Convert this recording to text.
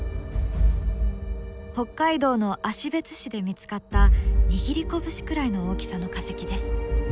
北海道の芦別市で見つかった握り拳くらいの大きさの化石です。